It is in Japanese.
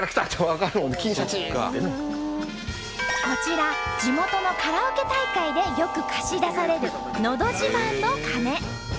こちら地元のカラオケ大会でよく貸し出される「のど自慢」の鐘。